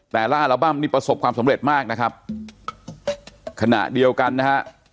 แต่ล่าอัลบั้มนี่ประสบความสำเร็จมากนะครับขณะเดียวกันนะฮะ